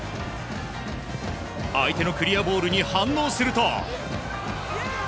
相手のクリアボールに反応すると。